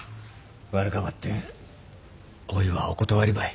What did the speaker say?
悪かばってんおいはお断りばい。